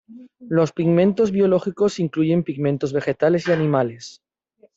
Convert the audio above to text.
Los pigmentos biológicos incluyen pigmentos vegetales y animales.